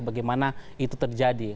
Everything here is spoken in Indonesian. bagaimana itu terjadi